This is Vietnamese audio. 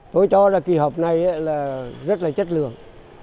tôi cho là kỳ họp này rất là chất lượng